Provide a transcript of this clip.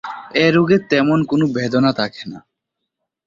এ রোগে তেমন কোন বেদনা থাকে না।